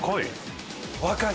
若い。